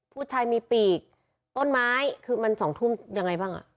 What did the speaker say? ผู้ชายมีปีกต้นไม้คือมัน๒ทุ่มยังไงบ้างอ่ะ